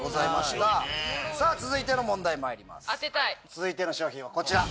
続いての商品はこちら。